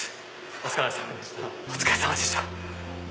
お疲れさまでした。